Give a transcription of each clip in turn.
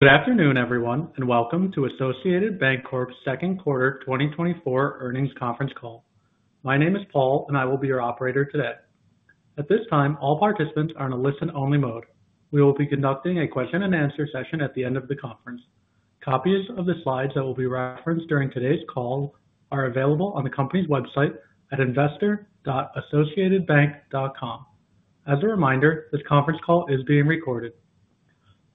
Good afternoon, everyone, and welcome to Associated Banc-Corp's Q2 2024 Earnings Conference Call. My name is Paul, and I will be your operator today. At this time, all participants are in a listen-only mode. We will be conducting a Q&A session at the end of the conference. Copies of the slides that will be referenced during today's call are available on the company's website at investor.associatedbank.com. As a reminder, this conference call is being recorded.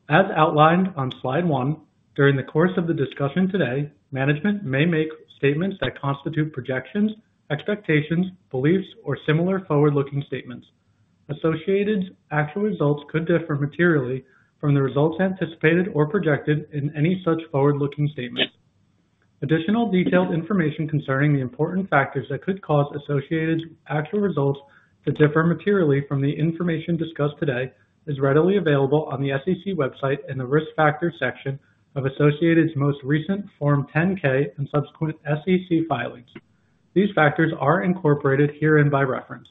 As outlined on slide one, during the course of the discussion today, management may make statements that constitute projections, expectations, beliefs, or similar forward-looking statements. Associated's actual results could differ materially from the results anticipated or projected in any such forward-looking statements. Additional detailed information concerning the important factors that could cause Associated's actual results to differ materially from the information discussed today is readily available on the SEC website in the Risk Factors section of Associated's most recent Form 10-K and subsequent SEC filings. These factors are incorporated herein by reference.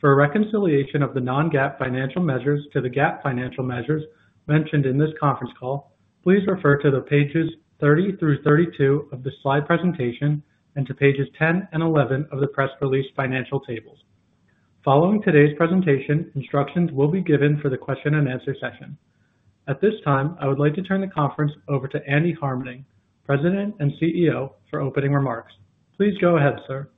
For a reconciliation of the non-GAAP financial measures to the GAAP financial measures mentioned in this conference call, please refer to the pages 30 through 32 of the slide presentation and to pages 10 and 11 of the press-release financial tables. Following today's presentation, instructions will be given for the Q&A session. At this time, I would like to turn the conference over to Andy Harmening, President and CEO, for opening remarks. Please go ahead, sir.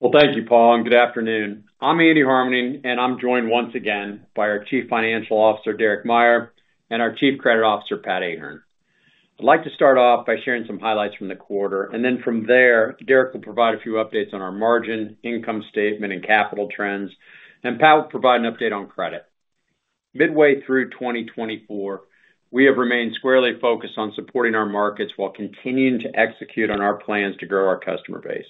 Well, thank you, Paul, and good afternoon. I'm Andy Harmening, and I'm joined once again by our Chief Financial Officer, Derek Meyer, and our Chief Credit Officer, Pat Ahern. I'd like to start off by sharing some highlights from the quarter, and then from there, Derek Meyer will provide a few updates on our margin, income statement, and capital trends, and Pat Ahern will provide an update on credit. Mid-way through 2024, we have remained squarely focused on supporting our markets while continuing to execute on our plans to grow our customer base,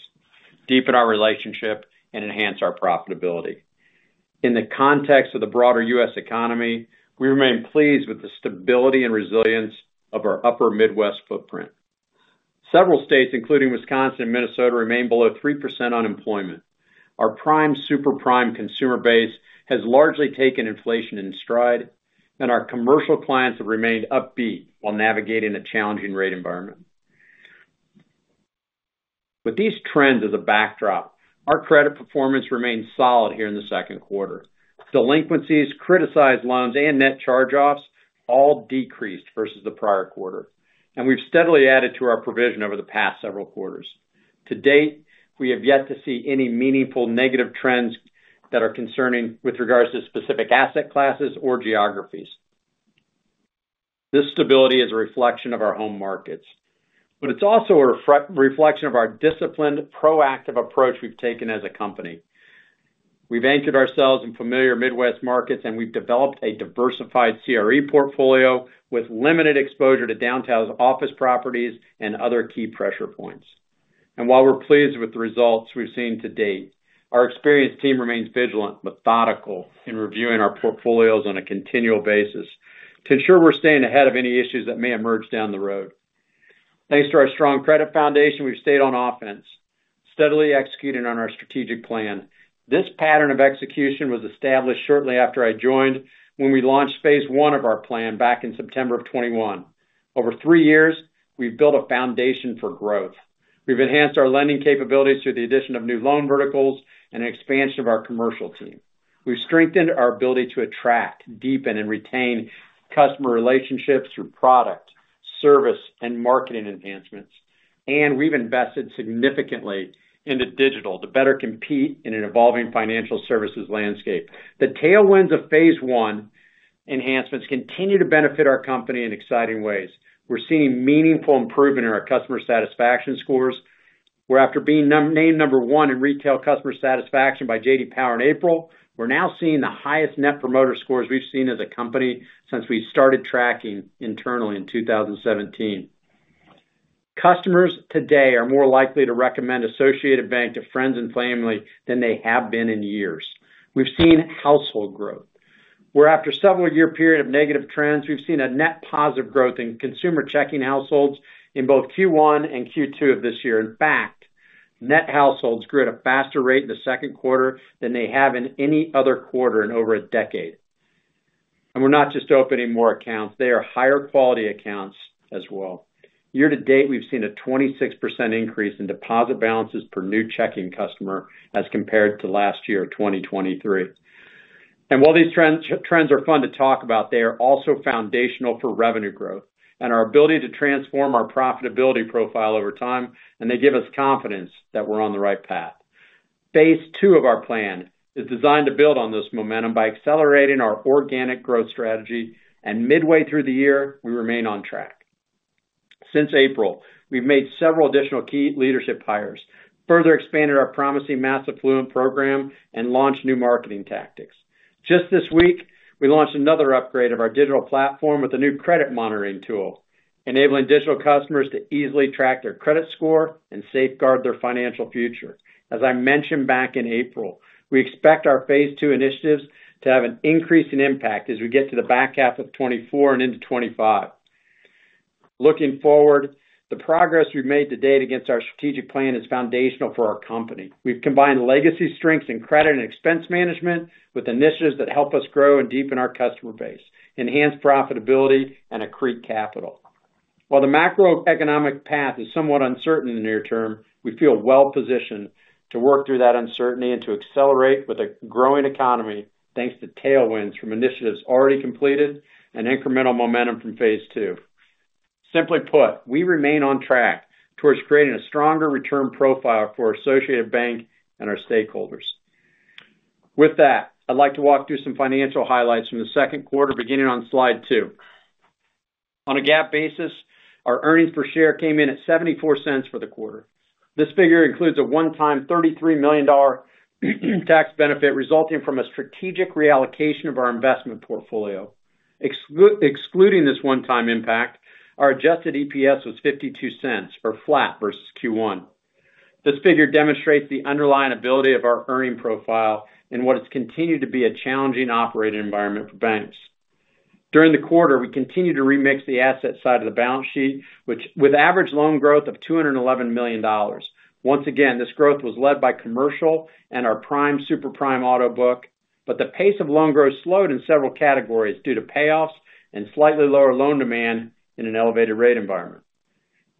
deepen our relationship, and enhance our profitability. In the context of the broader U.S. economy, we remain pleased with the stability and resilience of our Upper Midwest footprint. Several states, including Wisconsin and Minnesota, remain below 3% unemployment. Our prime superprime consumer base has largely taken inflation in stride, and our commercial clients have remained upbeat while navigating a challenging rate environment. With these trends as a backdrop, our credit performance remained solid here in the Q2. Delinquencies, criticized loans, and net charge-offs all decreased versus the prior quarter, and we've steadily added to our provision over the past several quarters. To date, we have yet to see any meaningful negative trends that are concerning with regards to specific asset classes or geographies. This stability is a reflection of our home markets, but it's also a reflection of our disciplined, proactive approach we've taken as a company. We've anchored ourselves in familiar Midwest markets, and we've developed a diversified CRE portfolio with limited exposure to downtown's office properties and other key pressure points. And while we're pleased with the results we've seen to date, our experienced team remains vigilant, methodical, in reviewing our portfolios on a continual basis to ensure we're staying ahead of any issues that may emerge down the road. Thanks to our strong credit foundation, we've stayed on offense, steadily executing on our strategic plan. This pattern of execution was established shortly after I joined when we launched phase I of our plan back in September of 2021. Over three years, we've built a foundation for growth. We've enhanced our lending capabilities through the addition of new loan verticals and an expansion of our commercial team. We've strengthened our ability to attract, deepen, and retain customer relationships through product, service, and marketing enhancements, and we've invested significantly into digital to better compete in an evolving financial services landscape. The tailwinds of phase I enhancements continue to benefit our company in exciting ways. We're seeing meaningful improvement in our customer satisfaction scores. We're, after being named number one in retail customer satisfaction by J.D. Power in April, now seeing the highest net promoter scores we've seen as a company since we started tracking internally in 2017. Customers today are more likely to recommend Associated Bank to friends and family than they have been in years. We've seen household growth. We're, after a several-year period of negative trends, seeing net positive growth in consumer checking households in both Q1 and Q2 of this year. In fact, net households grew at a faster rate in the Q2 than they have in any other quarter in over a decade. And we're not just opening more accounts; they are higher-quality accounts as well. Year-to-date, we've seen a 26% increase in deposit balances per new checking customer as compared to last year, 2023. While these trends are fun to talk about, they are also foundational for revenue growth and our ability to transform our profitability profile over time, and they give us confidence that we're on the right path. phase II of our plan is designed to build on this momentum by accelerating our organic growth strategy, and midway through the year, we remain on track. Since April, we've made several additional key leadership hires, further expanded our promising Mass Affluent program, and launched new marketing tactics. Just this week, we launched another upgrade of our digital platform with a new Credit Monitor tool, enabling digital customers to easily track their credit score and safeguard their financial future. As I mentioned back in April, we expect our phase II initiatives to have an increasing impact as we get to the back half of 2024 and into 2025. Looking forward, the progress we've made to date against our strategic plan is foundational for our company. We've combined legacy strengths in credit and expense management with initiatives that help us grow and deepen our customer base, enhance profitability, and accrete capital. While the macroeconomic path is somewhat uncertain in the near term, we feel well-positioned to work through that uncertainty and to accelerate with a growing economy thanks to tailwinds from initiatives already completed and incremental momentum from phase II. Simply put, we remain on track towards creating a stronger return profile for Associated Bank and our stakeholders. With that, I'd like to walk through some financial highlights from the Q2, beginning on slide two. On a GAAP basis, our earnings per share came in at $0.74 for the quarter. This figure includes a one-time $33 million tax benefit resulting from a strategic reallocation of our investment portfolio. Excluding this one-time impact, our adjusted EPS was $0.52, or flat versus Q1. This figure demonstrates the underlying ability of our earnings profile and what has continued to be a challenging operating environment for banks. During the quarter, we continued to remix the asset side of the balance sheet, with average loan growth of $211 million. Once again, this growth was led by commercial and our prime superprime auto book, but the pace of loan growth slowed in several categories due to payoffs and slightly lower loan demand in an elevated rate environment.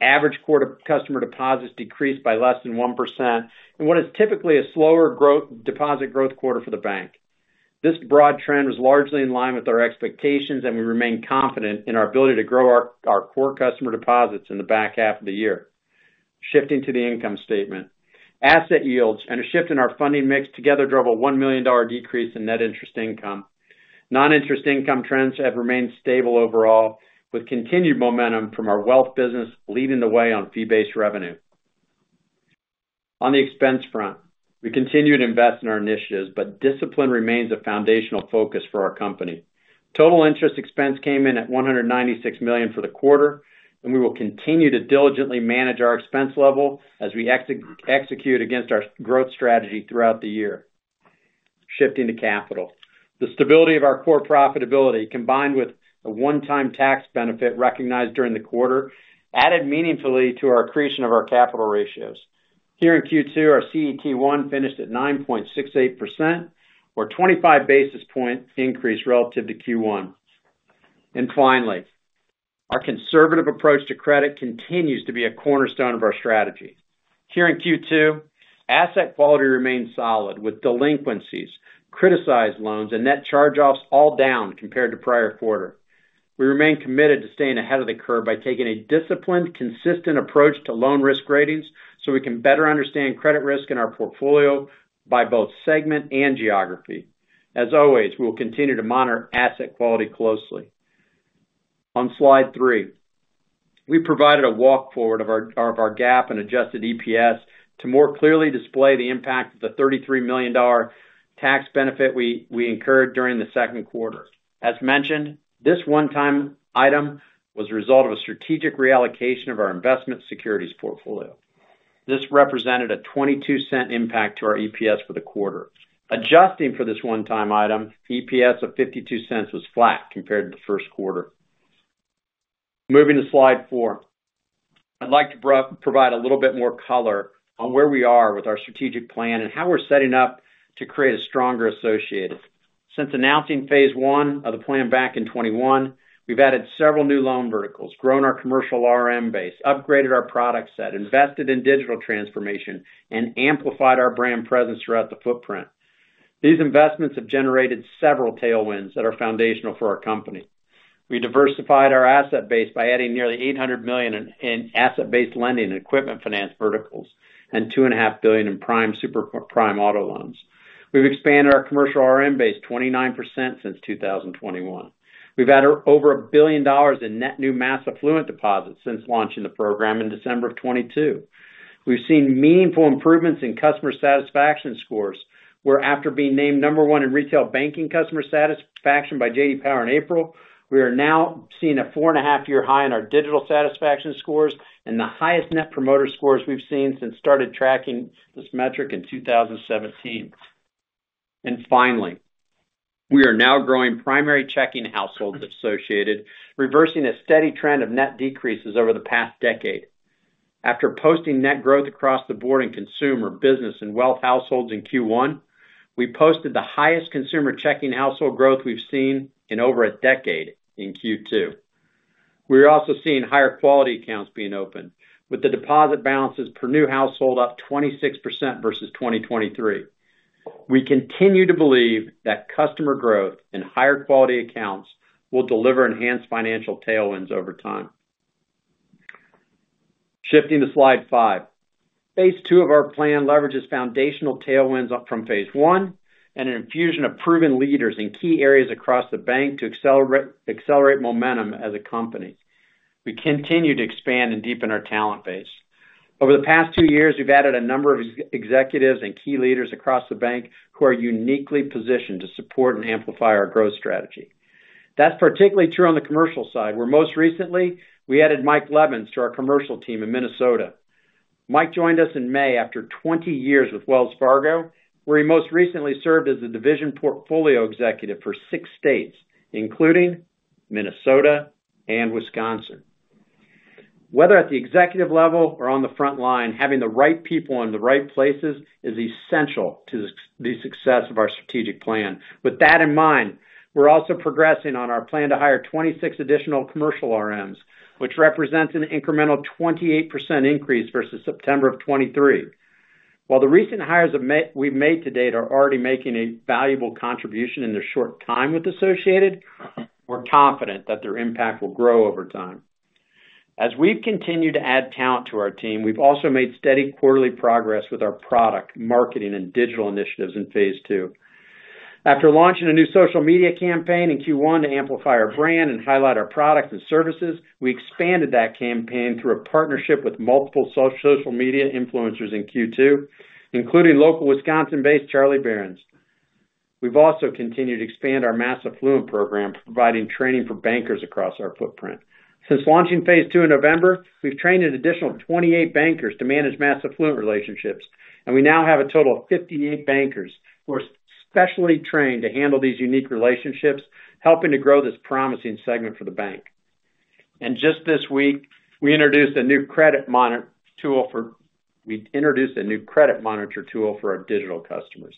Average quarterly customer deposits decreased by less than 1% in what is typically a slower deposit growth quarter for the bank. This broad trend was largely in line with our expectations, and we remain confident in our ability to grow our core customer deposits in the back half of the year. Shifting to the income statement, asset yields and a shift in our funding mix together drove a $1 million decrease in net interest income. Non-interest income trends have remained stable overall, with continued momentum from our wealth business leading the way on fee-based revenue. On the expense front, we continue to invest in our initiatives, but discipline remains a foundational focus for our company. Total interest expense came in at $196 million for the quarter, and we will continue to diligently manage our expense level as we execute against our growth strategy throughout the year. Shifting to capital, the stability of our core profitability, combined with a one-time tax benefit recognized during the quarter, added meaningfully to our accretion of our capital ratios. Here in Q2, our CET1 finished at 9.68%, or a 25 basis point increase relative to Q1. And finally, our conservative approach to credit continues to be a cornerstone of our strategy. Here in Q2, asset quality remained solid, with delinquencies, criticized loans, and net charge-offs all down compared to prior quarter. We remain committed to staying ahead of the curve by taking a disciplined, consistent approach to loan risk ratings so we can better understand credit risk in our portfolio by both segment and geography. As always, we will continue to monitor asset quality closely. On slide three, we provided a walk forward of our GAAP and Adjusted EPS to more clearly display the impact of the $33 million tax benefit we incurred during the Q2. As mentioned, this one-time item was a result of a strategic reallocation of our investment securities portfolio. This represented a $0.22 impact to our EPS for the quarter. Adjusting for this one-time item, EPS of $0.52 was flat compared to the Q1. Moving to slide four, I'd like to provide a little bit more color on where we are with our strategic plan and how we're setting up to create a stronger Associated. Since announcing phase I of the plan back in 2021, we've added several new loan verticals, grown our commercial RM base, upgraded our product set, invested in digital transformation, and amplified our brand presence throughout the footprint. These investments have generated several tailwinds that are foundational for our company. We diversified our asset base by adding nearly $800 million in asset-based lending and equipment finance verticals and $2.5 billion in prime super-prime auto loans. We've expanded our commercial RM base 29% since 2021. We've added over $1 billion in net new mass affluent deposits since launching the program in December of 2022. We've seen meaningful improvements in customer satisfaction scores, where, after being named number one in retail banking customer satisfaction by J.D. Power in April, we are now seeing a four and 1/2 year high in our digital satisfaction scores and the highest net promoter scores we've seen since started tracking this metric in 2017. And finally, we are now growing primary checking households of Associated, reversing a steady trend of net decreases over the past decade. After posting net growth across the board in consumer, business, and wealth households in Q1, we posted the highest consumer checking household growth we've seen in over a decade in Q2. We're also seeing higher quality accounts being opened, with the deposit balances per new household up 26% versus 2023. We continue to believe that customer growth and higher quality accounts will deliver enhanced financial tailwinds over time. Shifting to slide five, phase II of our plan leverages foundational tailwinds from phase I and an infusion of proven leaders in key areas across the bank to accelerate momentum as a company. We continue to expand and deepen our talent base. Over the past two years, we've added a number of executives and key leaders across the bank who are uniquely positioned to support and amplify our growth strategy. That's particularly true on the commercial side, where most recently we added Mike Levins to our commercial team in Minnesota. Mike Levins joined us in May after 20 years with Wells Fargo, where he most recently served as the division portfolio executive for six states, including Minnesota and Wisconsin. Whether at the executive level or on the front line, having the right people in the right places is essential to the success of our strategic plan. With that in mind, we're also progressing on our plan to hire 26 additional commercial RMs, which represents an incremental 28% increase versus September of 2023. While the recent hires we've made to date are already making a valuable contribution in their short time with Associated, we're confident that their impact will grow over time. As we've continued to add talent to our team, we've also made steady quarterly progress with our product, marketing, and digital initiatives in phase II. After launching a new social media campaign in Q1 to amplify our brand and highlight our products and services, we expanded that campaign through a partnership with multiple social media influencers in Q2, including local Wisconsin-based Charlie Berens. We've also continued to expand our Mass Affluent program, providing training for bankers across our footprint. Since launching phase II in November, we've trained an additional 28 bankers to manage mass affluent relationships, and we now have a total of 58 bankers who are specially trained to handle these unique relationships, helping to grow this promising segment for the bank. And just this week, we introduced a new Credit Monitor tool for our digital customers.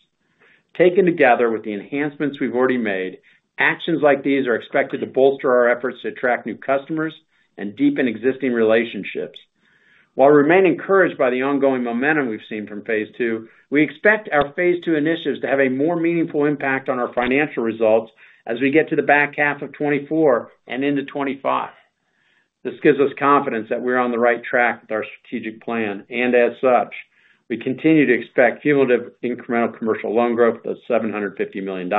Taken together with the enhancements we've already made, actions like these are expected to bolster our efforts to attract new customers and deepen existing relationships. While we remain encouraged by the ongoing momentum we've seen from phase II, we expect our phase II initiatives to have a more meaningful impact on our financial results as we get to the back half of 2024 and into 2025. This gives us confidence that we're on the right track with our strategic plan, and as such, we continue to expect cumulative incremental commercial loan growth of $750 million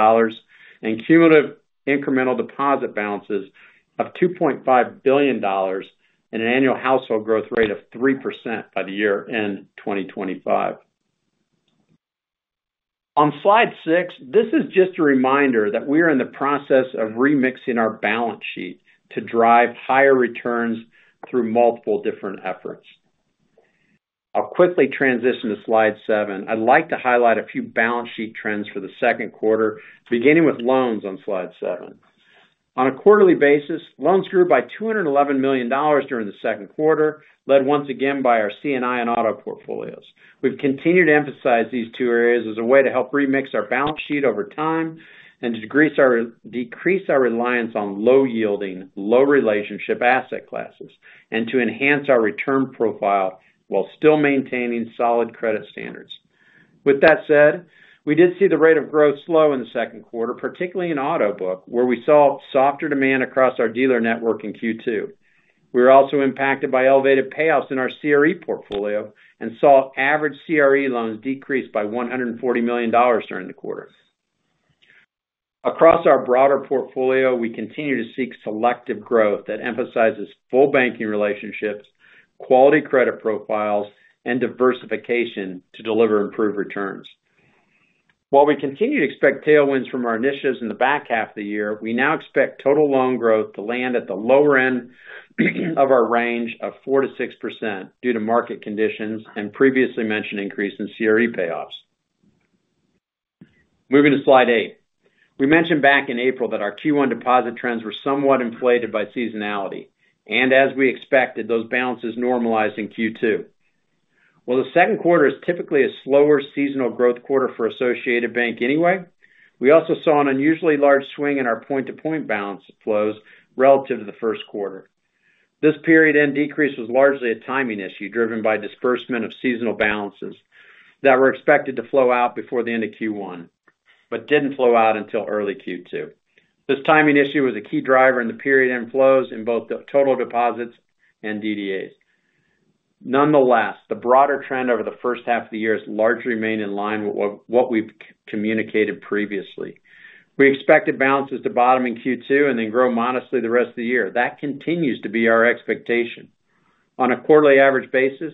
and cumulative incremental deposit balances of $2.5 billion and an annual household growth rate of 3% by the year in 2025. On slide six, this is just a reminder that we are in the process of remixing our balance sheet to drive higher returns through multiple different efforts. I'll quickly transition to slide seven. I'd like to highlight a few balance sheet trends for the Q2, beginning with loans on slide seven. On a quarterly basis, loans grew by $211 million during the Q2, led once again by our C&I and auto portfolios. We've continued to emphasize these two areas as a way to help remix our balance sheet over time and to decrease our reliance on low-yielding, low-relationship asset classes and to enhance our return profile while still maintaining solid credit standards. With that said, we did see the rate of growth slow in the Q2, particularly in auto book, where we saw softer demand across our dealer network in Q2. We were also impacted by elevated payoffs in our CRE portfolio and saw average CRE loans decrease by $140 million during the quarter. Across our broader portfolio, we continue to seek selective growth that emphasizes full banking relationships, quality credit profiles, and diversification to deliver improved returns. While we continue to expect tailwinds from our initiatives in the back-half of the year, we now expect total loan growth to land at the lower-end of our range of 4%-6% due to market conditions and previously mentioned increase in CRE payoffs. Moving to slide eight, we mentioned back in April that our Q1 deposit trends were somewhat inflated by seasonality, and as we expected, those balances normalized in Q2. While the Q2 is typically a slower seasonal growth quarter for Associated Bank anyway, we also saw an unusually large swing in our point-to-point balance flows relative to the Q1. This period-end decrease was largely a timing issue driven by disbursement of seasonal balances that were expected to flow out before the end of Q1, but didn't flow out until early Q2. This timing issue was a key driver in the period-end flows in both total deposits and DDAs. Nonetheless, the broader trend over the first-half of the year has largely remained in line with what we've communicated previously. We expected balances to bottom in Q2 and then grow modestly the rest of the year. That continues to be our expectation. On a quarterly average basis,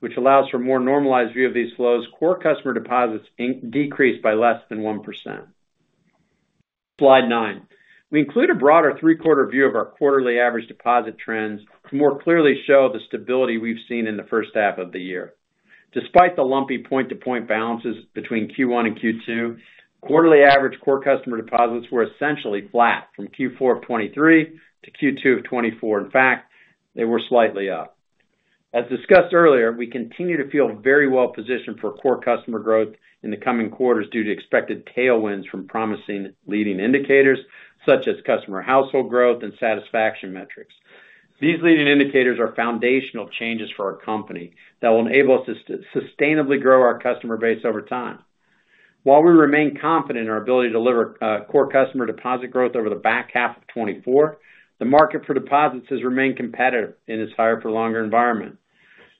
which allows for a more normalized view of these flows, core customer deposits decreased by less than 1%. slide nine. We include a broader 3/4 view of our quarterly average deposit trends to more clearly show the stability we've seen in the first-half of the year. Despite the lumpy point-to-point balances between Q1 and Q2, quarterly average core customer deposits were essentially flat from Q4 of 2023 to Q2 of 2024. In fact, they were slightly up. As discussed earlier, we continue to feel very well positioned for core customer growth in the coming quarters due to expected tailwinds from promising leading indicators such as customer household growth and satisfaction metrics. These leading indicators are foundational changes for our company that will enable us to sustainably grow our customer base over time. While we remain confident in our ability to deliver core customer deposit growth over the back-half of 2024, the market for deposits has remained competitive in this higher-for-longer environment.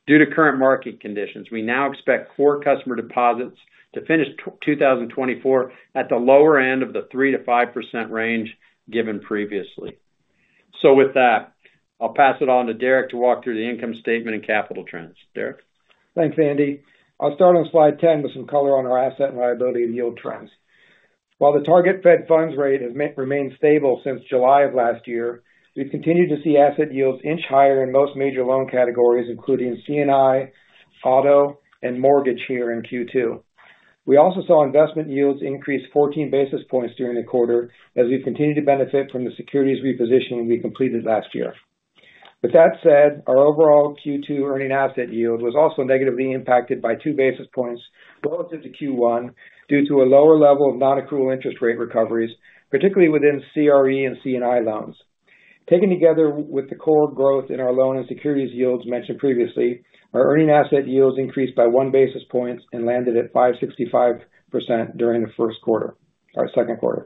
Due to current market conditions, we now expect core customer deposits to finish 2024 at the lower end of the 3%-5% range given previously. So with that, I'll pass it on to Derek Meyer to walk through the income statement and capital trends. Derek Meyer? Thanks, Andy Harmening. I'll start on slide 10 with some color on our asset and liability and yield trends. While the target Fed funds rate has remained stable since July of last year, we've continued to see asset yields inch higher in most major loan categories, including C&I, auto, and mortgage here in Q2. We also saw investment yields increase 14 basis points during the quarter as we've continued to benefit from the securities repositioning we completed last year. With that said, our overall Q2 earning asset yield was also negatively impacted by two basis points relative to Q1 due to a lower level of non-accrual interest rate recoveries, particularly within CRE and C&I loans. Taken together with the core growth in our loan and securities yields mentioned previously, our earning asset yields increased by one basis point and landed at 5.65% during the Q1, our Q2.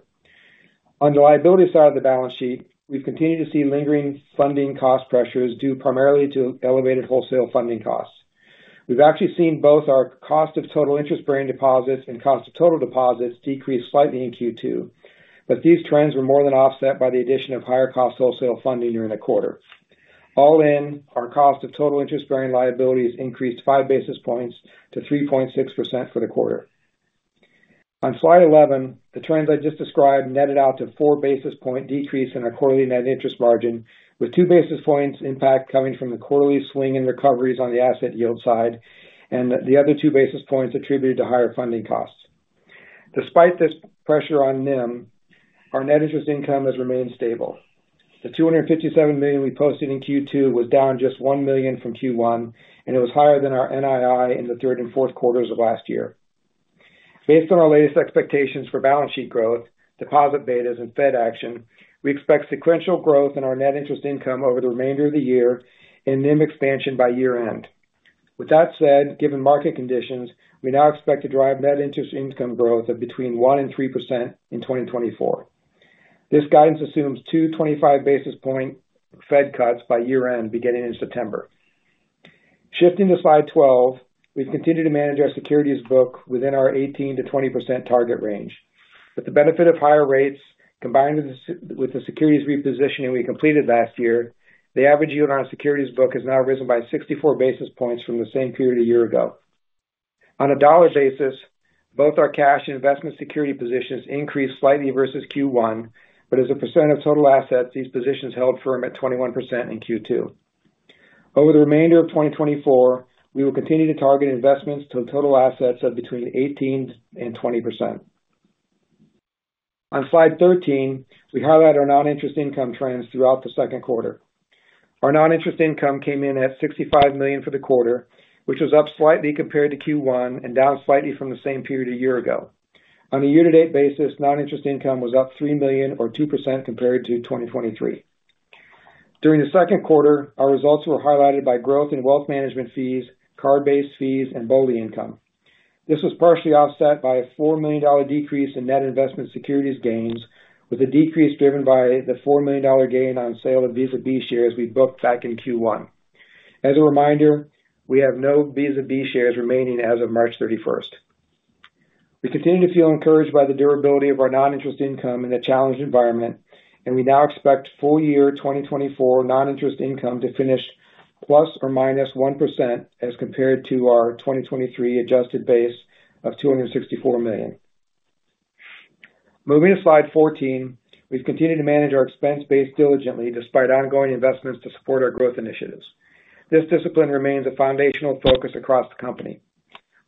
On the liability side of the balance sheet, we've continued to see lingering funding cost pressures due primarily to elevated wholesale funding costs. We've actually seen both our cost of total interest-bearing deposits and cost of total deposits decrease slightly in Q2, but these trends were more than offset by the addition of higher cost wholesale funding during the quarter. All in, our cost of total interest-bearing liabilities increased five basis points to 3.6% for the quarter. On slide 11, the trends I just described netted out to four basis point decrease in our quarterly net interest margin, with two basis points impact coming from the quarterly swing and recoveries on the asset yield side and the other two basis points attributed to higher funding costs. Despite this pressure on NIM, our net interest income has remained stable. The $257 million we posted in Q2 was down just $1 million from Q1, and it was higher than our NII in the Q3 and Q4s of last year. Based on our latest expectations for balance sheet growth, deposit betas, and Fed action, we expect sequential growth in our net interest income over the remainder of the year and NIM expansion by year-end. With that said, given market conditions, we now expect to drive net interest income growth of between 1%-3% in 2024. This guidance assumes two 25-basis-point Fed cuts by year-end beginning in September. Shifting to slide 12, we've continued to manage our securities book within our 18%-20% target range. With the benefit of higher rates combined with the securities repositioning we completed last year, the average yield on our securities book has now risen by 64 basis points from the same period a year ago. On a dollar basis, both our cash and investment security positions increased slightly versus Q1, but as a percent of total assets, these positions held firm at 21% in Q2. Over the remainder of 2024, we will continue to target investments to total assets of between 18% and 20%. On slide 13, we highlight our non-interest income trends throughout the Q2. Our non-interest income came in at $65 million for the quarter, which was up slightly compared to Q1 and down slightly from the same period a year ago. On a year-to-date basis, non-interest income was up $3 million or 2% compared to 2023. During the Q2, our results were highlighted by growth in wealth management fees, card-based fees, and BOLI income. This was partially offset by a $4 million decrease in net investment securities gains, with a decrease driven by the $4 million gain on sale of Visa B shares we booked back in Q1. As a reminder, we have no Visa B shares remaining as of March 31st. We continue to feel encouraged by the durability of our non-interest income in the challenged environment, and we now expect full-year 2024 non-interest income to finish ±1% as compared to our 2023 adjusted base of $264 million. Moving to slide 14, we've continued to manage our expense base diligently despite ongoing investments to support our growth initiatives. This discipline remains a foundational focus across the company.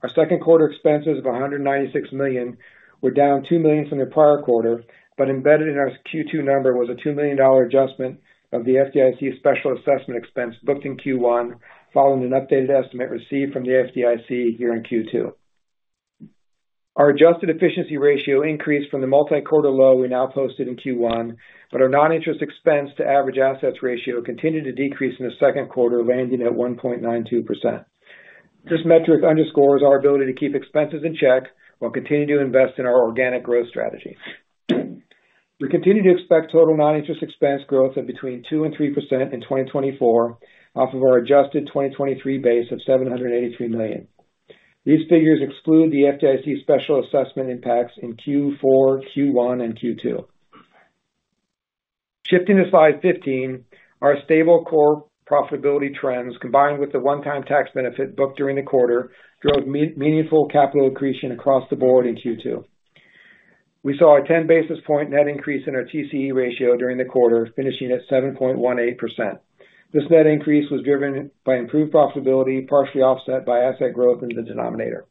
Our Q2 expenses of $196 million were down $2 million from the prior quarter, but embedded in our Q2 number was a $2 million adjustment of the FDIC special assessment expense booked in Q1 following an updated estimate received from the FDIC here in Q2. Our adjusted efficiency ratio increased from the multi-quarter low we now posted in Q1, but our non-interest expense to average assets ratio continued to decrease in the Q2, landing at 1.92%. This metric underscores our ability to keep expenses in check while continuing to invest in our organic growth strategy. We continue to expect total non-interest expense growth of between 2% and 3% in 2024 off of our adjusted 2023 base of $783 million. These figures exclude the FDIC special assessment impacts in Q4, Q1, and Q2. Shifting to slide 15, our stable core profitability trends combined with the one-time tax benefit booked during the quarter drove meaningful capital accretion across the board in Q2. We saw a 10-basis-point net increase in our TCE ratio during the quarter, finishing at 7.18%. This net increase was driven by improved profitability, partially offset by asset growth in the denominator.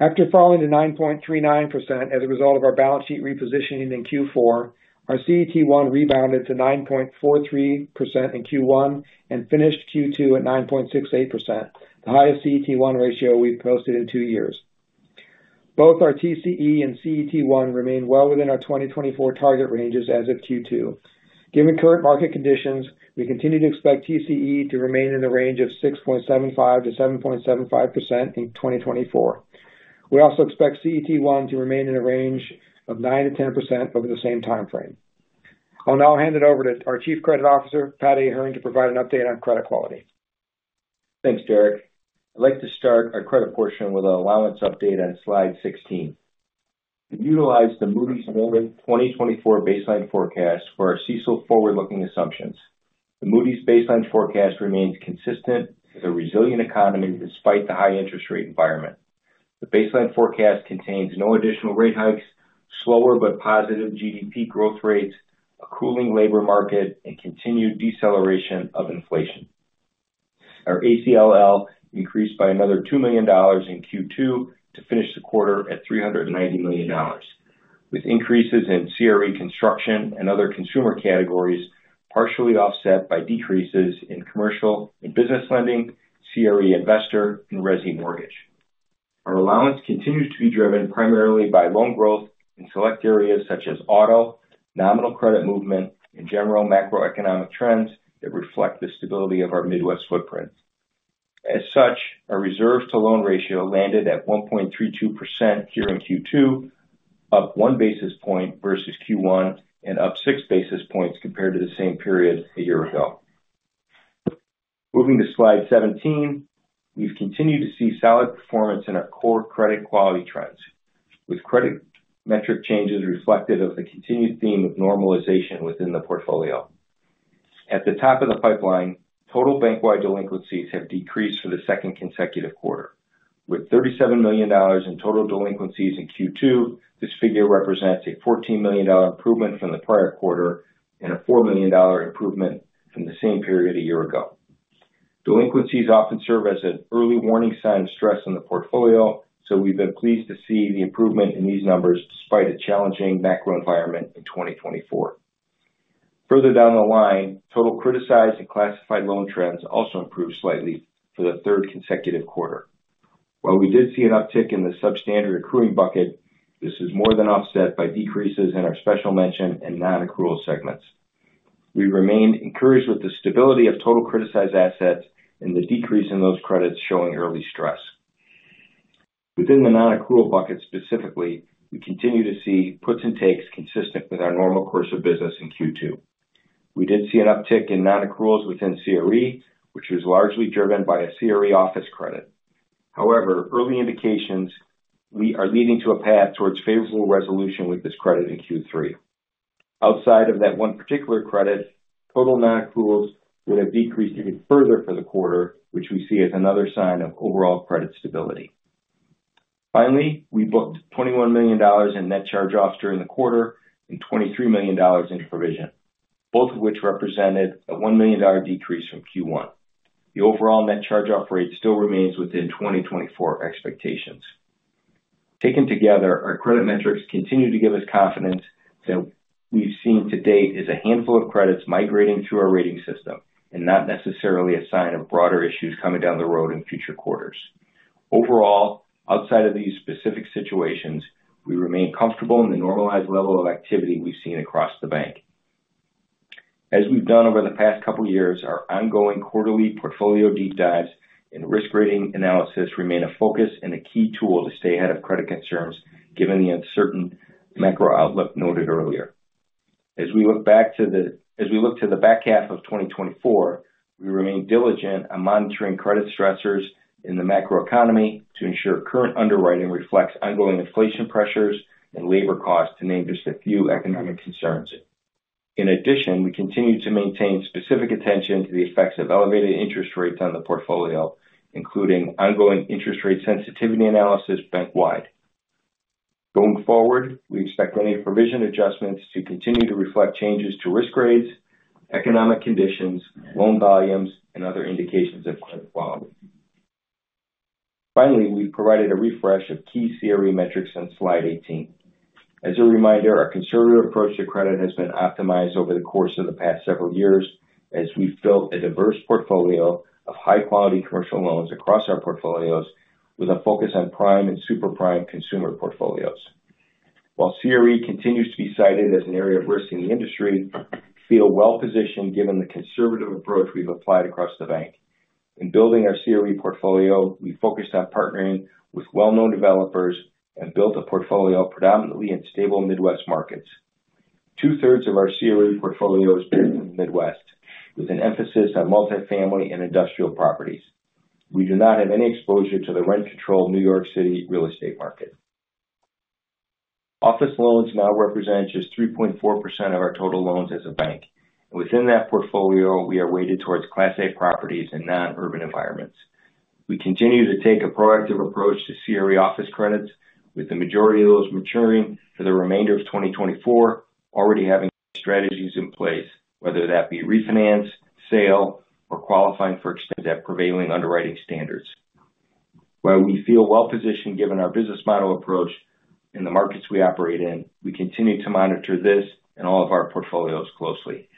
After falling to 9.39% as a result of our balance sheet repositioning in Q4, our CET1 rebounded to 9.43% in Q1 and finished Q2 at 9.68%, the highest CET1 ratio we've posted in two years. Both our TCE and CET1 remain well within our 2024 target ranges as of Q2. Given current market conditions, we continue to expect TCE to remain in the range of 6.75%-7.75% in 2024. We also expect CET1 to remain in the range of 9%-10% over the same timeframe. I'll now hand it over to our Chief Credit Officer, Pat Ahern, to provide an update on credit quality. Thanks, Derek Meyer. I'd like to start our credit portion with an allowance update on slide 16. We utilized the Moody's 2024 baseline forecast for our CECL forward-looking assumptions. The Moody's baseline forecast remains consistent with a resilient economy despite the high interest rate environment. The baseline forecast contains no additional rate hikes, slower but positive GDP growth rates, a cooling labor market, and continued deceleration of inflation. Our ACLL increased by another $2 million in Q2 to finish the quarter at $390 million, with increases in CRE construction and other consumer categories partially offset by decreases in commercial and business lending, CRE investor, and resi mortgage. Our allowance continues to be driven primarily by loan growth in select areas such as auto, nominal credit movement, and general macroeconomic trends that reflect the stability of our Midwest footprint. As such, our reserves to loan ratio landed at 1.32% here in Q2, up one basis point versus Q1, and up six basis points compared to the same period a year ago. Moving to slide 17, we've continued to see solid performance in our core credit quality trends, with credit metric changes reflective of the continued theme of normalization within the portfolio. At the top of the pipeline, total bank-wide delinquencies have decreased for the second consecutive quarter. With $37 million in total delinquencies in Q2, this figure represents a $14 million improvement from the prior quarter and a $4 million improvement from the same period a year ago. Delinquencies often serve as an early warning sign of stress in the portfolio, so we've been pleased to see the improvement in these numbers despite a challenging macro environment in 2024. Further down the line, total criticized and classified loan trends also improved slightly for the third consecutive quarter. While we did see an uptick in the substandard accruing bucket, this is more than offset by decreases in our special mention and non-accrual segments. We remain encouraged with the stability of total criticized assets and the decrease in those credits showing early stress. Within the non-accrual bucket specifically, we continue to see puts and takes consistent with our normal course of business in Q2. We did see an uptick in non-accruals within CRE, which was largely driven by a CRE office credit. However, early indications are leading to a path towards favorable resolution with this credit in Q3. Outside of that one particular credit, total non-accruals would have decreased even further for the quarter, which we see as another sign of overall credit stability. Finally, we booked $21 million in net charge-offs during the quarter and $23 million in provision, both of which represented a $1 million decrease from Q1. The overall net charge-off rate still remains within 2024 expectations. Taken together, our credit metrics continue to give us confidence that we've seen to date is a handful of credits migrating through our rating system and not necessarily a sign of broader issues coming down the road in future quarters. Overall, outside of these specific situations, we remain comfortable in the normalized level of activity we've seen across the bank. As we've done over the past couple of years, our ongoing quarterly portfolio deep dives and risk rating analysis remain a focus and a key tool to stay ahead of credit concerns given the uncertain macro outlook noted earlier. As we look back to the back half of 2024, we remain diligent on monitoring credit stressors in the macro economy to ensure current underwriting reflects ongoing inflation pressures and labor costs, to name just a few economic concerns. In addition, we continue to maintain specific attention to the effects of elevated interest rates on the portfolio, including ongoing interest rate sensitivity analysis bank-wide. Going forward, we expect any provision adjustments to continue to reflect changes to risk rates, economic conditions, loan volumes, and other indications of credit quality. Finally, we've provided a refresh of key CRE metrics on slide 18. As a reminder, our conservative approach to credit has been optimized over the course of the past several years as we've built a diverse portfolio of high-quality commercial loans across our portfolios with a focus on prime and super-prime consumer portfolios. While CRE continues to be cited as an area of risk in the industry, we feel well-positioned given the conservative approach we've applied across the bank. In building our CRE portfolio, we focused on partnering with well-known developers and built a portfolio predominantly in stable Midwest markets. Two-thirds of our CRE portfolio is based in the Midwest, with an emphasis on multifamily and industrial properties. We do not have any exposure to the rent-controlled New York City real estate market. Office loans now represent just 3.4% of our total loans as a bank, and within that portfolio, we are weighted towards Class A properties and non-urban environments. We continue to take a proactive approach to CRE office credits, with the majority of those maturing for the remainder of 2024, already having strategies in place, whether that be refinance, sale, or qualifying for extended at prevailing underwriting standards. While we feel well-positioned given our business model approach and the markets we operate in, we continue to monitor this and all of our portfolios closely.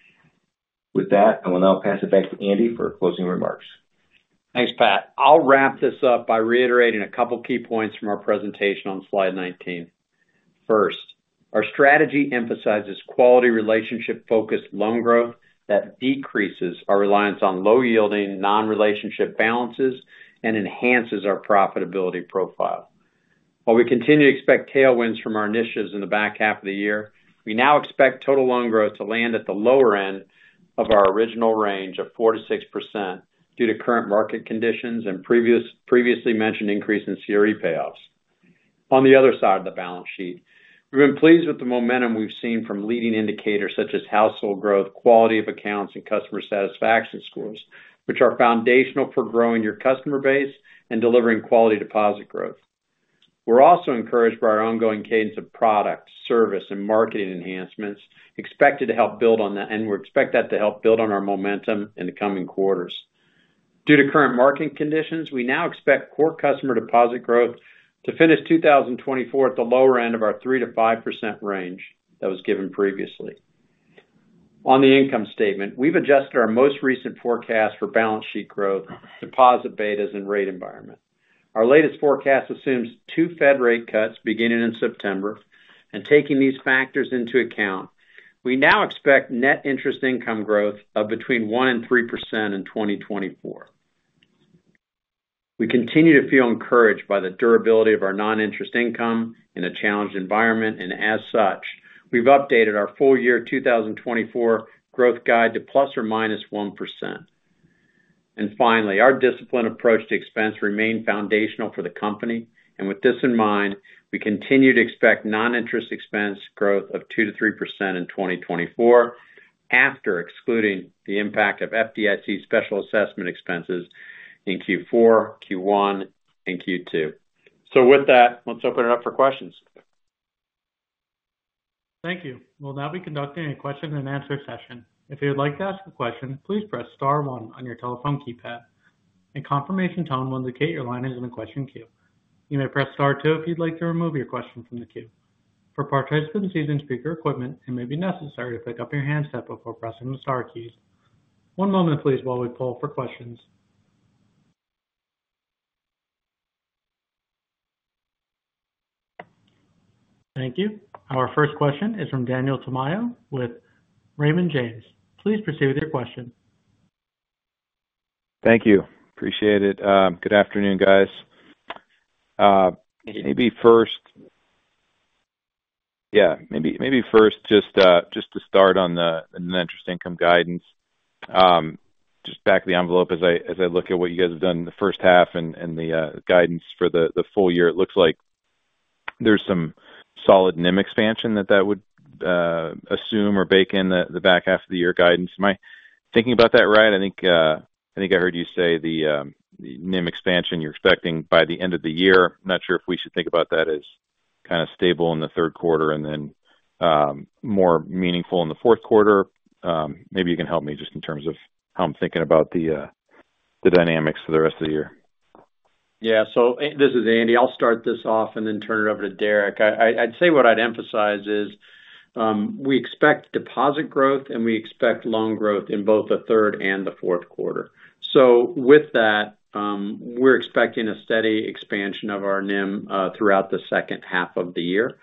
With that, I will now pass it back to Andy Harmening for closing remarks. Thanks, Pat Ahern. I'll wrap this up by reiterating a couple of key points from our presentation on slide 19. First, our strategy emphasizes quality relationship-focused loan growth that decreases our reliance on low-yielding non-relationship balances and enhances our profitability profile. While we continue to expect tailwinds from our initiatives in the back half of the year, we now expect total loan growth to land at the lower end of our original range of 4%-6% due to current market conditions and previously mentioned increase in CRE payoffs. On the other side of the balance sheet, we've been pleased with the momentum we've seen from leading indicators such as household growth, quality of accounts, and customer satisfaction scores, which are foundational for growing your customer base and delivering quality deposit growth. We're also encouraged by our ongoing cadence of product, service, and marketing enhancements expected to help build on that, and we expect that to help build on our momentum in the coming quarters. Due to current marketing conditions, we now expect core customer deposit growth to finish 2024 at the lower end of our 3%-5% range that was given previously. On the income statement, we've adjusted our most recent forecast for balance sheet growth, deposit betas, and rate environment. Our latest forecast assumes two Fed rate cuts beginning in September, and taking these factors into account, we now expect net interest income growth of between 1%-3% in 2024. We continue to feel encouraged by the durability of our non-interest income in a challenged environment, and as such, we've updated our full-year 2024 growth guide to ±1%. And finally, our disciplined approach to expenses remained foundational for the company, and with this in mind, we continue to expect non-interest expense growth of 2%-3% in 2024, after excluding the impact of FDIC special assessment expenses in Q4, Q1, and Q2. So with that, let's open it up for questions. Thank you. We'll now be conducting a Q&A session. If you'd like to ask a question, please press star one on your telephone keypad. A confirmation tone will indicate your line is in the question queue. You may press star two if you'd like to remove your question from the queue. For participants using speaker equipment, it may be necessary to pick up your handset before pressing the star keys. One moment, please, while we pull for questions. Thank you. Our first question is from Daniel Tamayo with Raymond James. Please proceed with your question. Thank you. Appreciate it. Good afternoon, guys. Maybe first, yeah, maybe first, just to start on the interest income guidance. Just back of the envelope, as I look at what you guys have done in the first-half and the guidance for the full year, it looks like there's some solid NIM expansion that would assume or bake in the back-half of the year guidance. Am I thinking about that right? I think I heard you say the NIM expansion you're expecting by the end of the year. I'm not sure if we should think about that as kind of stable in the Q3 and then more meaningful in the Q4. Maybe you can help me just in terms of how I'm thinking about the dynamics for the rest of the year. Yeah. So this is Andy Harmening. I'll start this off and then turn it over to Derek Meyer. I'd say what I'd emphasize is we expect deposit growth and we expect loan growth in both the third and the Q4. So with that, we're expecting a steady expansion of our NIM throughout the second half of the year.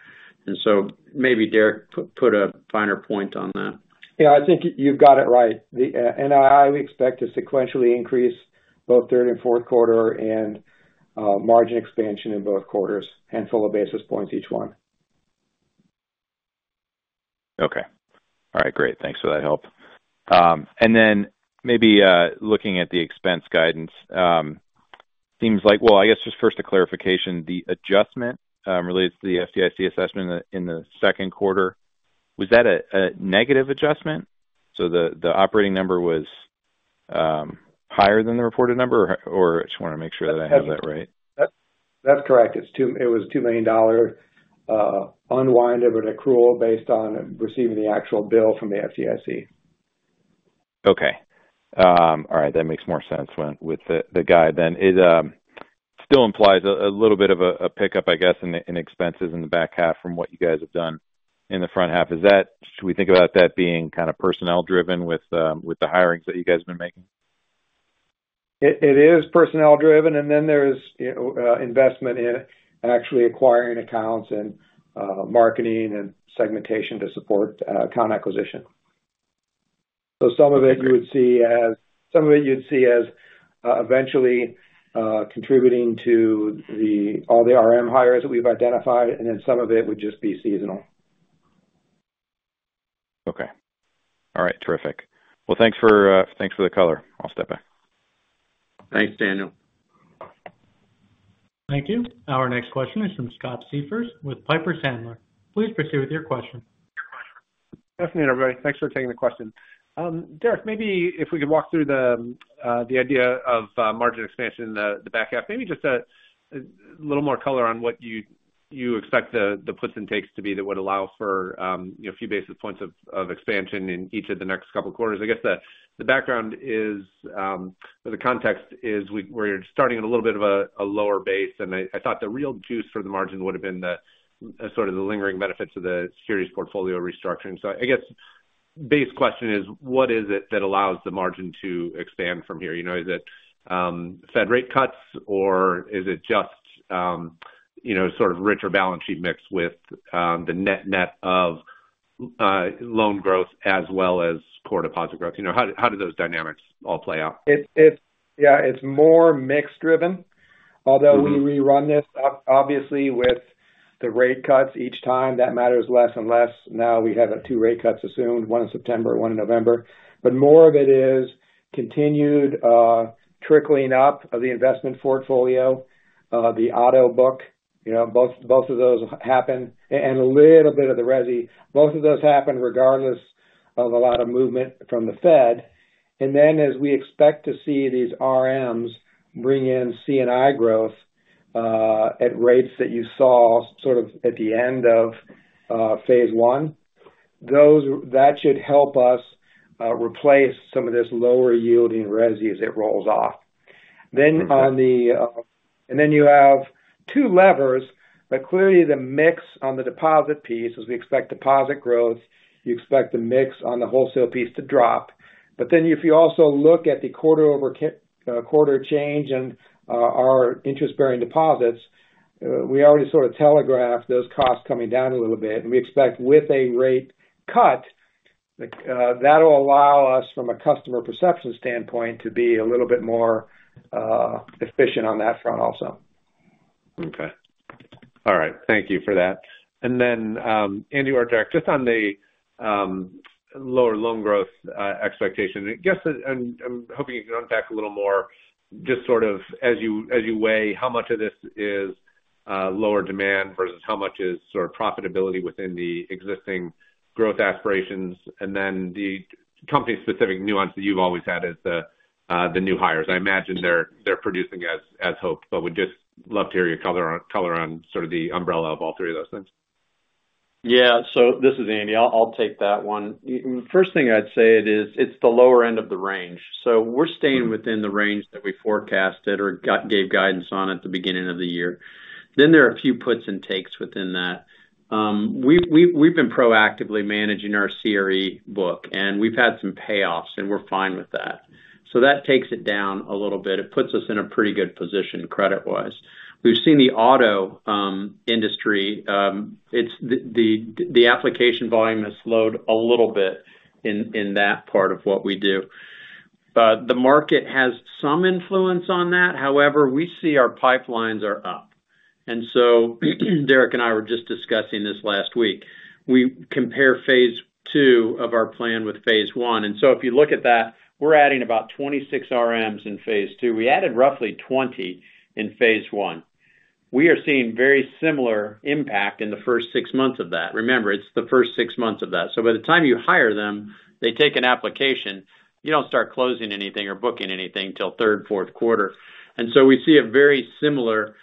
And so maybe Derek Meyer put a finer point on that. Yeah, I think you've got it right. And I expect a sequentially increase both third and Q4 and margin expansion in both quarters, handful of basis points each one. Okay. All right. Great. Thanks for that help. And then maybe looking at the expense guidance, it seems like, well, I guess just first a clarification, the adjustment related to the FDIC assessment in the Q2, was that a negative adjustment? So the operating number was higher than the reported number, or I just want to make sure that I have that right. That's correct. It was a $2 million unwind of an accrual based on receiving the actual bill from the FDIC. Okay. All right. That makes more sense. With the guide then, it still implies a little bit of a pickup, I guess, in expenses in the back half from what you guys have done in the front half. Should we think about that being kind of personnel-driven with the hirings that you guys have been making? It is personnel-driven, and then there's investment in actually acquiring accounts and marketing and segmentation to support account acquisition. So some of it you would see as some of it you'd see as eventually contributing to all the RM hires that we've identified, and then some of it would just be seasonal. Okay. All right. Terrific. Well, thanks for the color. I'll step back. Thanks, Daniel Tamayo. Thank you. Our next question is from Scott Siefers with Piper Sandler. Please proceed with your question. Good afternoon, everybody. Thanks for taking the question. Derek Meyer, maybe if we could walk through the idea of margin expansion in the back-half, maybe just a little more color on what you expect the puts and takes to be that would allow for a few basis points of expansion in each of the next couple of quarters. I guess the background or the context is where you're starting at a little bit of a lower base, and I thought the real juice for the margin would have been sort of the lingering benefits of the securities portfolio restructuring. So I guess the base question is, what is it that allows the margin to expand from here? Is it Fed rate cuts, or is it just sort of richer balance sheet mix with the net net of loan growth as well as core deposit growth? How do those dynamics all play out? Yeah, it's more mixed-driven. Although we rerun this, obviously, with the rate cuts, each time that matters less and less. Now we have two rate cuts assumed, one in September, one in November. But more of it is continued trickling up of the investment portfolio, the auto book. Both of those happen, and a little bit of the resi. Both of those happen regardless of a lot of movement from the Fed. And then as we expect to see these RMs bring in C&I growth at rates that you saw sort of at the end of phase one, that should help us replace some of this lower-yielding resi as it rolls off. And then you have two levers, but clearly the mix on the deposit piece, as we expect deposit growth, you expect the mix on the wholesale piece to drop. But then if you also look at the quarter-over-quarter change in our interest-bearing deposits, we already sort of telegraphed those costs coming down a little bit. And we expect with a rate cut, that'll allow us, from a customer perception standpoint, to be a little bit more efficient on that front also. Okay. All right. Thank you for that. And then, Andy Harmening or Derek Meyer, just on the lower loan growth expectation, I guess I'm hoping you can unpack a little more just sort of as you weigh how much of this is lower demand versus how much is sort of profitability within the existing growth aspirations. And then the company-specific nuance that you've always had is the new hires. I imagine they're producing as hoped, but we'd just love to hear your color on sort of the umbrella of all three of those things. Yeah. So this is Andy Harmening. I'll take that one. First thing I'd say is it's the lower end of the range. So we're staying within the range that we forecasted or gave guidance on at the beginning of the year. Then there are a few puts and takes within that. We've been proactively managing our CRE book, and we've had some payoffs, and we're fine with that. So that takes it down a little bit. It puts us in a pretty good position credit-wise. We've seen the auto industry. The application volume has slowed a little bit in that part of what we do. The market has some influence on that. However, we see our pipelines are up. Derek Meyer and I were just discussing this last week. We compare phase II of our plan with phase I. If you look at that, we're adding about 26 RMs in phase II. We added roughly 20 in phase I. We are seeing very similar impact in the first six months of that. Remember, it's the first six months of that. By the time you hire them, they take an application, you don't start closing anything or booking anything until Q3, Q4. We see a very similar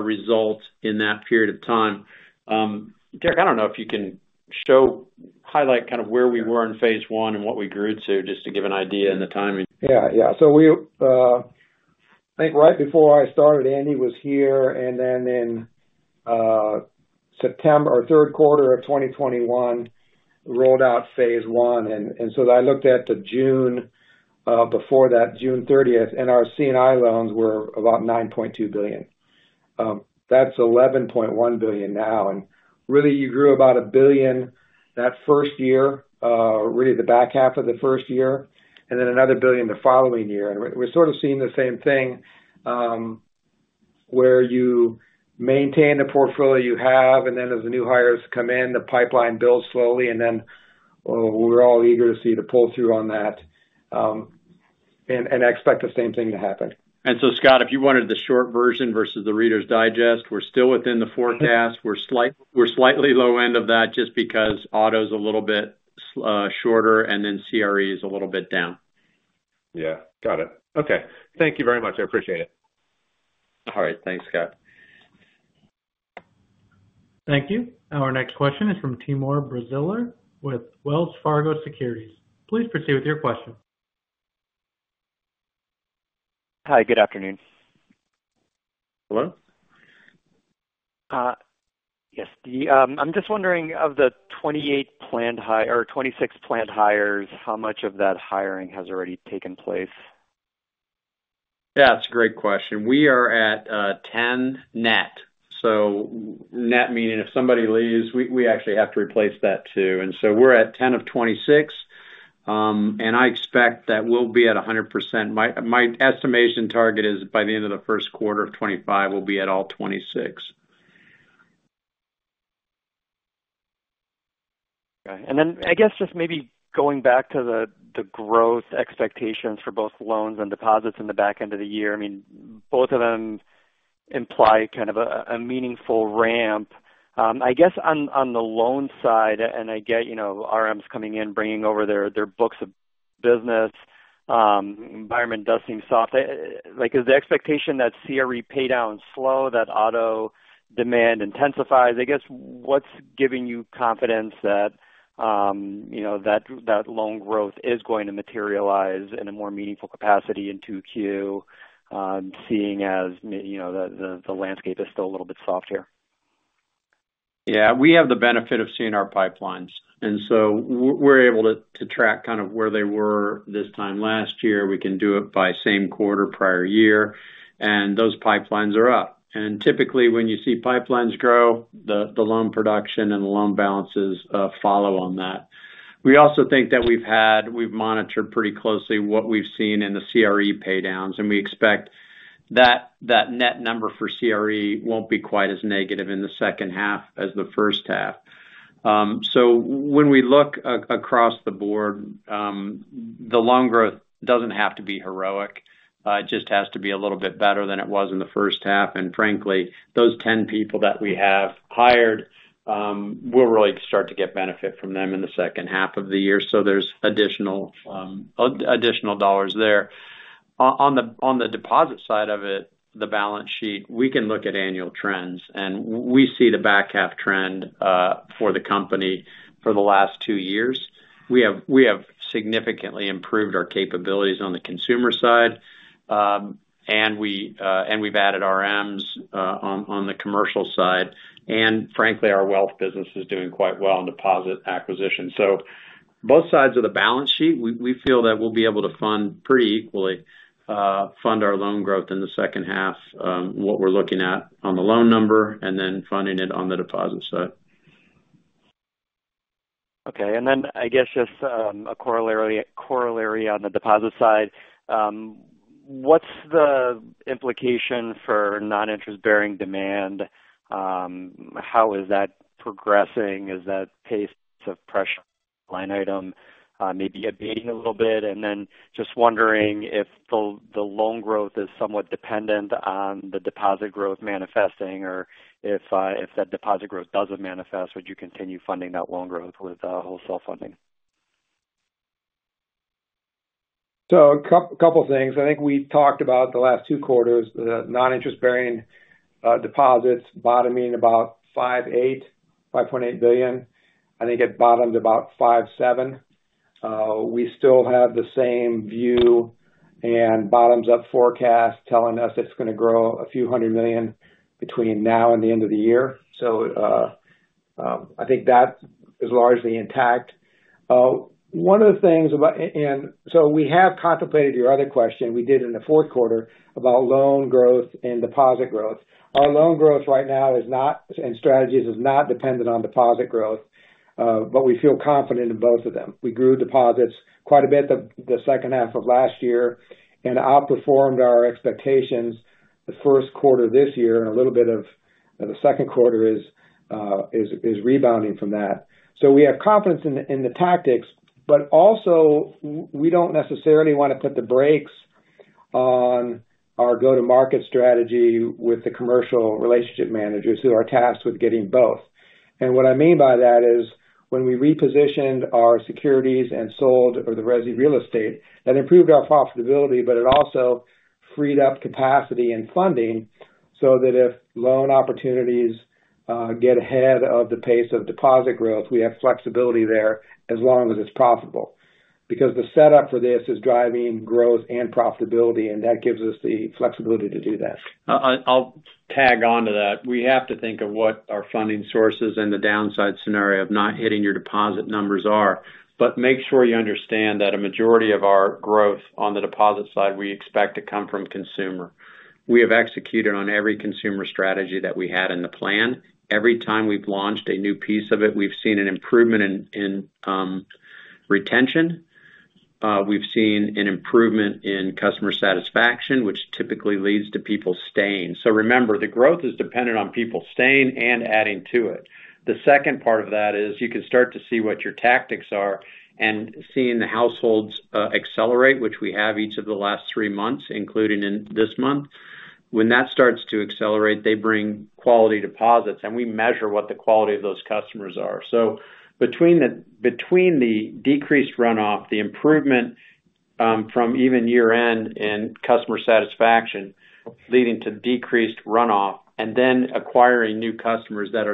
result in that period of time. Derek Meyer, I don't know if you can highlight kind of where we were in phase I and what we grew to, just to give an idea in the timing. Yeah. Yeah. So I think right before I started, Andy Harmening was here, and then in September or Q3 of 2021, rolled out phase I. And so I looked at the June before that, June 30th, and our C&I loans were about $9.2 billion. That's $11.1 billion now. And really, you grew about $1 billion that first year, really the back-half of the first year, and then another $1 billion the following year. And we're sort of seeing the same thing where you maintain the portfolio you have, and then as the new hires come in, the pipeline builds slowly, and then we're all eager to see the pull-through on that and expect the same thing to happen. And so, Scott Siefers, if you wanted the short version versus the Reader's Digest, we're still within the forecast. We're slightly low end of that just because auto is a little bit shorter, and then CRE is a little bit down. Yeah. Got it. Okay. Thank you very much. I appreciate it. All right. Thanks, Scott Siefers. Thank you. Our next question is from Timur Braziler with Wells Fargo Securities. Please proceed with your question. Hi. Good afternoon. Hello? Yes. I'm just wondering, of the 26 planned hires, how much of that hiring has already taken place? Yeah. That's a great question. We are at 10 net. So net meaning if somebody leaves, we actually have to replace that too. And so we're at 10 of 26, and I expect that we'll be at 100%. My estimation target is by the end of the Q1 of 2025, we'll be at all 26. Okay. And then I guess just maybe going back to the growth expectations for both loans and deposits in the back-end of the year. I mean, both of them imply kind of a meaningful ramp. I guess on the loan side, and I get RMs coming in, bringing over their books of business. Environment does seem soft. Is the expectation that CRE paydown is slow, that auto demand intensifies? I guess what's giving you confidence that that loan growth is going to materialize in a more meaningful capacity in Q2, seeing as the landscape is still a little bit soft here? Yeah. We have the benefit of seeing our pipelines. And so we're able to track kind of where they were this time last year. We can do it by same quarter-prior-year, and those pipelines are up. Typically, when you see pipelines grow, the loan production and the loan balances follow on that. We also think that we've monitored pretty closely what we've seen in the CRE paydowns, and we expect that net number for CRE won't be quite as negative in the second half as the first-half. So when we look across the board, the loan growth doesn't have to be heroic. It just has to be a little bit better than it was in the first-half. And frankly, those 10 people that we have hired will really start to get benefit from them in the second-half of the year. So there's additional dollars there. On the deposit side of it, the balance sheet, we can look at annual trends, and we see the back half trend for the company for the last two years. We have significantly improved our capabilities on the consumer side, and we've added RMs on the commercial side. And frankly, our wealth business is doing quite well in deposit acquisition. So both sides of the balance sheet, we feel that we'll be able to fund pretty equally, fund our loan growth in the second-half, what we're looking at on the loan number, and then funding it on the deposit side. Okay. And then I guess just a corollary on the deposit side, what's the implication for non-interest-bearing demand? How is that pace of pressure line item maybe abating a little bit? And then just wondering if the loan growth is somewhat dependent on the deposit growth manifesting, or if that deposit growth doesn't manifest, would you continue funding that loan growth with wholesale funding? So a couple of things. I think we talked about the last two quarters, the non-interest-bearing deposits bottoming about $5.8 billion. I think it bottomed about $5.7 billion. We still have the same view and bottoms up forecast telling us it's going to grow a few hundred million between now and the end of the year. So I think that is largely intact. One of the things about, and so we have contemplated your other question we did in the Q4 about loan growth and deposit growth. Our loan growth right now is not, and strategies is not dependent on deposit growth, but we feel confident in both of them. We grew deposits quite a bit the second-half of last year and outperformed our expectations the Q1 this year, and a little bit of the Q2 is rebounding from that. So we have confidence in the tactics, but also we don't necessarily want to put the brakes on our go-to-market strategy with the commercial relationship managers who are tasked with getting both. And what I mean by that is when we repositioned our securities and sold our residential real estate, that improved our profitability, but it also freed up capacity and funding so that if loan opportunities get ahead of the pace of deposit growth, we have flexibility there as long as it's profitable because the setup for this is driving growth and profitability, and that gives us the flexibility to do that. I'll tag on to that. We have to think of what our funding sources and the downside scenario of not hitting your deposit numbers are, but make sure you understand that a majority of our growth on the deposit side we expect to come from consumer. We have executed on every consumer strategy that we had in the plan. Every time we've launched a new piece of it, we've seen an improvement in retention. We've seen an improvement in customer satisfaction, which typically leads to people staying. So remember, the growth is dependent on people staying and adding to it. The second part of that is you can start to see what your tactics are and seeing the households accelerate, which we have each of the last three months, including this month. When that starts to accelerate, they bring quality deposits, and we measure what the quality of those customers are. So between the decreased runoff, the improvement from even year-end and customer satisfaction leading to decreased runoff, and then acquiring new customers that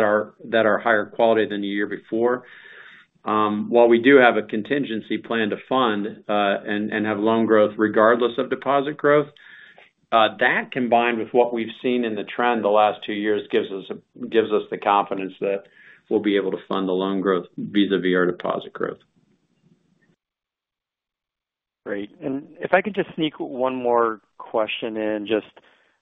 are higher quality than the year before, while we do have a contingency plan to fund and have loan growth regardless of deposit growth, that combined with what we've seen in the trend the last two years gives us the confidence that we'll be able to fund the loan growth vis-à-vis our deposit growth. Great. And if I could just sneak one more question in just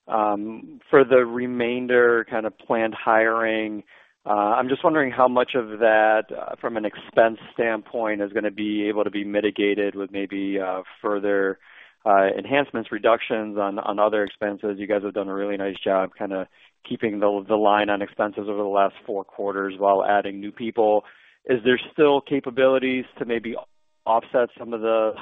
for the remainder kind of planned hiring, I'm just wondering how much of that from an expense standpoint is going to be able to be mitigated with maybe further enhancements, reductions on other expenses. You guys have done a really nice job kind of keeping the line on expenses over the last four quarters while adding new people. Is there still capabilities to maybe offset some of the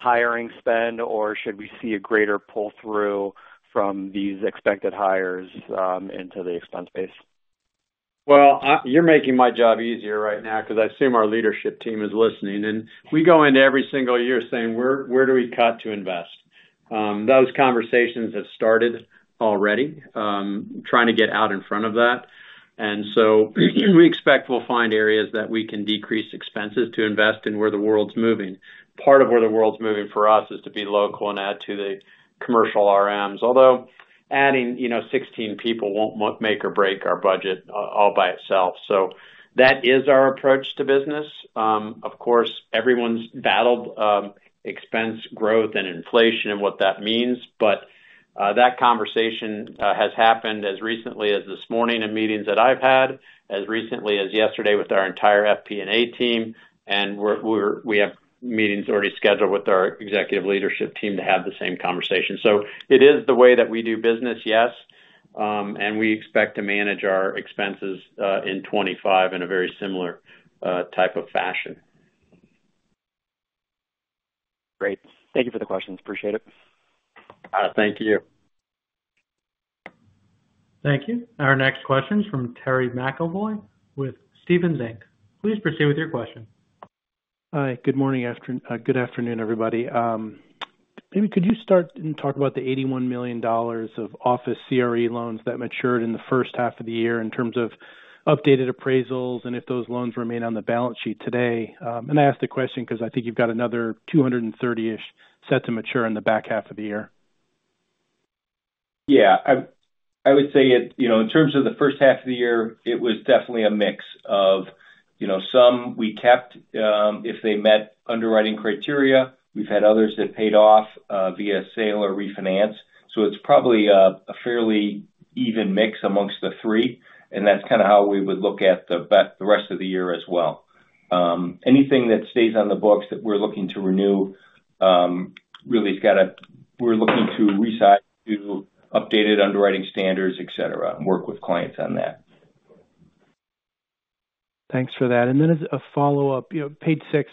hiring spend, or should we see a greater pull-through from these expected hires into the expense base? Well, you're making my job easier right now because I assume our leadership team is listening. We go into every single year saying, "Where do we cut to invest?" Those conversations have started already, trying to get out in front of that. So we expect we'll find areas that we can decrease expenses to invest in where the world's moving. Part of where the world's moving for us is to be local and add to the commercial RMs, although adding 16 people won't make or break our budget all by itself. So that is our approach to business. Of course, everyone's battled expense growth and inflation and what that means. But that conversation has happened as recently as this morning in meetings that I've had, as recently as yesterday with our entire FP&A team. And we have meetings already scheduled with our executive leadership team to have the same conversation. So it is the way that we do business, yes. And we expect to manage our expenses in 2025 in a very similar type of fashion. Great. Thank you for the questions. Appreciate it. Thank you. Thank you. Our next question is from Terry McEvoy with Stephens Inc. Please proceed with your question. Hi. Good afternoon, everybody. Maybe could you start and talk about the $81 million of office CRE loans that matured in the first-half of the year in terms of updated appraisals and if those loans remain on the balance sheet today? And I asked the question because I think you've got another 230-ish set to mature in the back-half of the year. Yeah. I would say in terms of the first-half of the year, it was definitely a mix of some we kept if they met underwriting criteria. We've had others that paid off via sale or refinance. So it's probably a fairly even mix amongst the three. And that's kind of how we would look at the rest of the year as well. Anything that stays on the books that we're looking to renew really has got to, we're looking to resize to updated underwriting standards, etc., and work with clients on that. Thanks for that. And then as a follow-up, page six,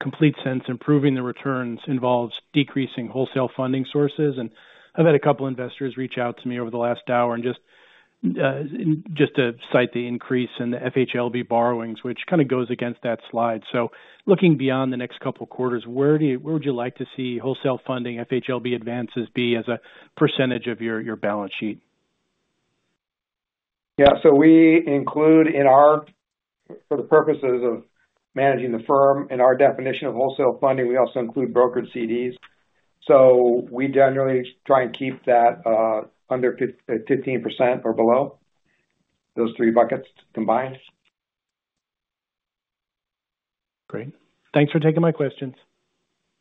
complete sense, improving the returns involves decreasing wholesale funding sources. And I've had a couple of investors reach out to me over the last hour and just to cite the increase in the FHLB borrowings, which kind of goes against that slide. So looking beyond the next couple of quarters, where would you like to see wholesale funding FHLB advances be as a percentage of your balance sheet? Yeah. So we include in our, for the purposes of managing the firm and our definition of wholesale funding, we also include brokered CDs. So we generally try and keep that under 15% or below, those three buckets combined. Great. Thanks for taking my questions.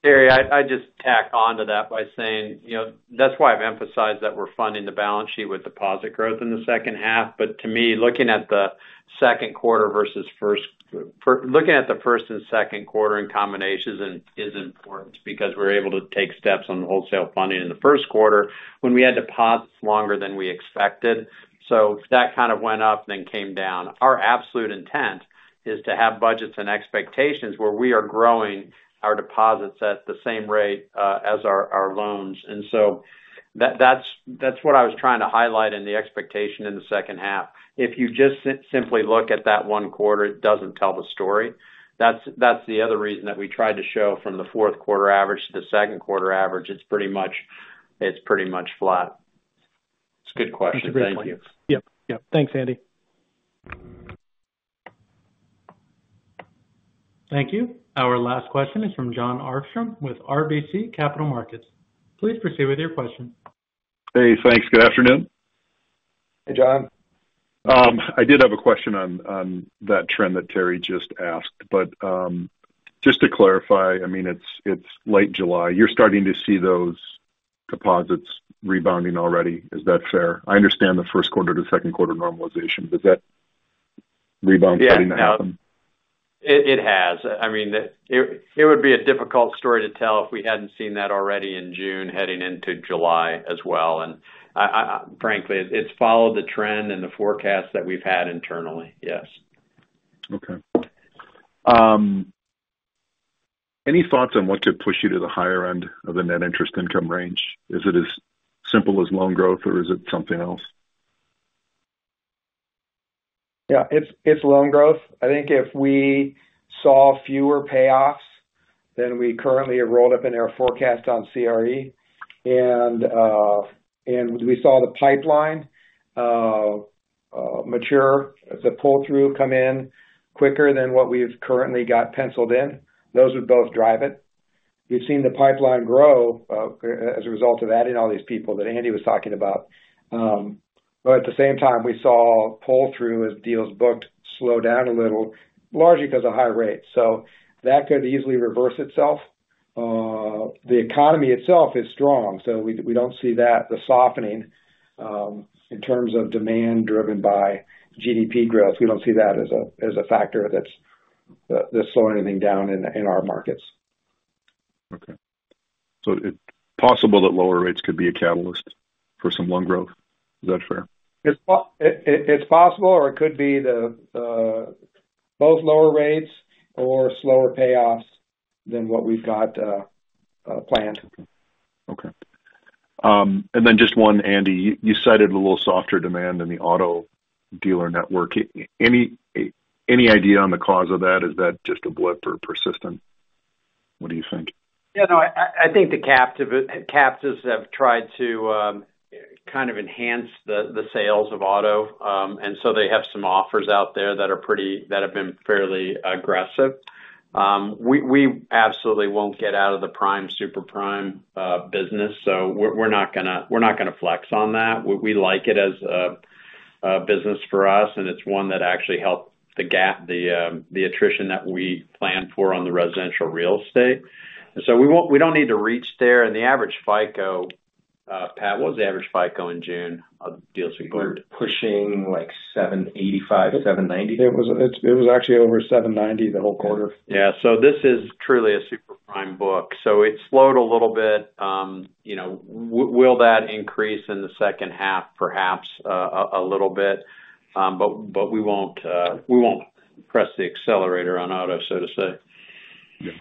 Terry McEvoy, I'd just tack on to that by saying that's why I've emphasized that we're funding the balance sheet with deposit growth in the second-half. But to me, looking at the Q2 versus first, looking at the first and Q2 in combination is important because we're able to take steps on wholesale funding in the Q1 when we had deposits longer than we expected. So that kind of went up and then came down. Our absolute intent is to have budgets and expectations where we are growing our deposits at the same rate as our loans. And so that's what I was trying to highlight in the expectation in the second-half. If you just simply look at that one quarter, it doesn't tell the story. That's the other reason that we tried to show from the Q4 average to the Q2 average. It's pretty much flat. It's a good question. Thank you. Yep. Yep. Thanks, Andy Harmening. Thank you. Our last question is from Jon Arfstrom with RBC Capital Markets. Please proceed with your question. Hey, thanks. Good afternoon. Hey, Jon Arfstrom. I did have a question on that trend that Terry McEvoy just asked, but just to clarify, I mean, it's late July. You're starting to see those deposits rebounding already. Is that fair? I understand the Q1 to Q2 normalization. Does that rebound starting to happen? It has. I mean, it would be a difficult story to tell if we hadn't seen that already in June heading into July as well. And frankly, it's followed the trend and the forecast that we've had internally. Yes. Okay. Any thoughts on what could push you to the higher end of the net interest income range? Is it as simple as loan growth, or is it something else? Yeah. It's loan growth. I think if we saw fewer payoffs than we currently have rolled up in our forecast on CRE and we saw the pipeline mature, the pull-through come in quicker than what we've currently got penciled in, those would both drive it. We've seen the pipeline grow as a result of adding all these people that Andy Harmening was talking about. But at the same time, we saw pull-through as deals booked slow down a little, largely because of high rates. So that could easily reverse itself. The economy itself is strong. So we don't see that, the softening in terms of demand driven by GDP growth. We don't see that as a factor that's slowing anything down in our markets. Okay. So it's possible that lower rates could be a catalyst for some loan growth. Is that fair? It's possible, or it could be both lower rates or slower payoffs than what we've got planned. Okay. And then just one, Andy Harmening, you cited a little softer demand in the auto dealer network. Any idea on the cause of that? Is that just a blip or persistent? What do you think? Yeah. No, I think the captives have tried to kind of enhance the sales of auto. And so they have some offers out there that have been fairly aggressive. We absolutely won't get out of the prime super-prime business. So we're not going to flex on that. We like it as a business for us, and it's one that actually helped the attrition that we planned for on the residential real estate. And so we don't need to reach there. And the average FICO, Pat Ahern what's the average FICO in June of deals we booked?, was pushing like 785, 790. It was actually over 790 the whole quarter. Yeah. So this is truly a super-prime book. So it slowed a little bit. Will that increase in the second half, perhaps a little bit? But we won't press the accelerator on auto, so to say.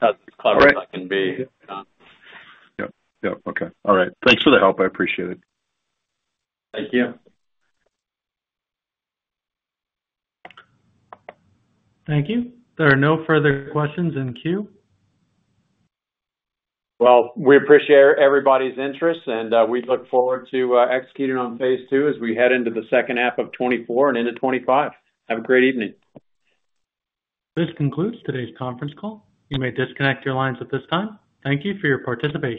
That's as clever as I can be. Yep. Yep. Okay. All right. Thanks for the help. I appreciate it. Thank you. Thank you. There are no further questions in queue. Well, we appreciate everybody's interest, and we look forward to executing on phase two as we head into the second half of 2024 and into 2025. Have a great evening. This concludes today's conference call. You may disconnect your lines at this time. Thank you for your participation.